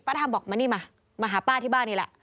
ทำบอกมานี่มามาหาป้าที่บ้านนี่แหละ